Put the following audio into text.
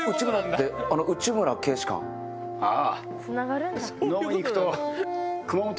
ああ。